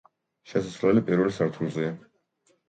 შესასვლელი პირველ სართულზეა.